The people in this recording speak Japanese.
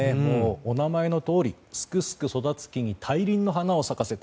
お名前のとおりすくすく育つ木に大輪の花を咲かせた。